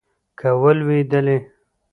که ولوېدلې